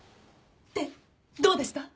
でどうでした？